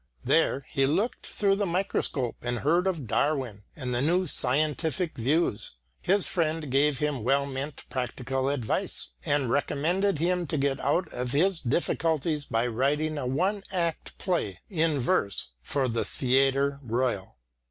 There he looked through the microscope, and heard of Darwin and the new scientific views. His friend gave him well meant practical advice and recommended him to get out of his difficulties by writing a one act play in verse for the Theatre Royal.